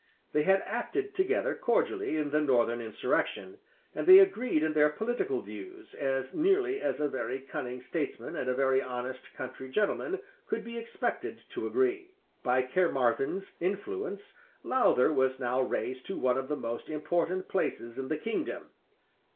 They had acted together cordially in the Northern insurrection; and they agreed in their political views, as nearly as a very cunning statesman and a very honest country gentleman could be expected to agree, By Caermarthen's influence Lowther was now raised to one of the most important places in the kingdom.